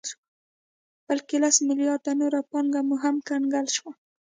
بلکې لس مليارده نوره پانګه مو هم کنګل شوه